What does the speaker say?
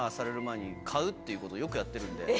っていうことをよくやってるんで。